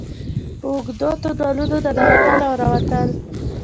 په اوږدو تونلونو ننوتلو او راوتلو.